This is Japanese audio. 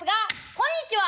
「こんにちは」。